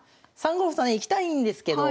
３五歩とねいきたいんですけど